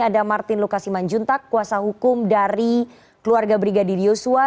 ada martin lukasiman juntak kuasa hukum dari keluarga brigadir yosua